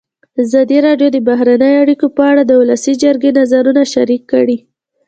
ازادي راډیو د بهرنۍ اړیکې په اړه د ولسي جرګې نظرونه شریک کړي.